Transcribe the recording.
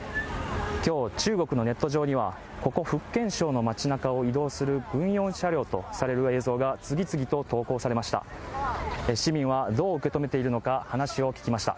今日、中国のネット上にはここ福建省の町なかを移動する軍用車両とされる映像が次々と投稿されました。